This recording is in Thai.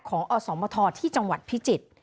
อสมทที่จังหวัดพิจิตร